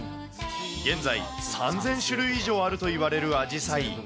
現在３０００種類以上あるといわれるアジサイ。